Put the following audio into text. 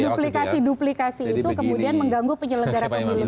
duplikasi duplikasi itu kemudian mengganggu penyelenggara pemilu kita